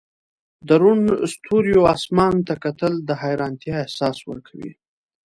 د روڼ ستوریو اسمان ته کتل د حیرانتیا احساس ورکوي.